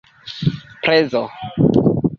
prezo